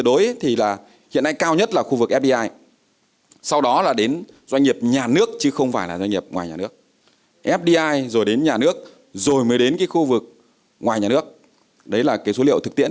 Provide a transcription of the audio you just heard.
đấy là số liệu thực tiễn